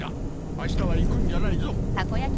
あしたは行くんじゃないぞ。